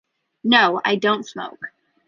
No, I don’t smoke.